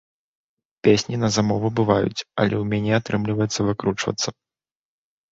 Песні на замову бываюць, але ў мяне атрымліваецца выкручвацца.